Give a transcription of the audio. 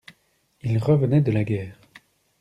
Il revenait de la guerre.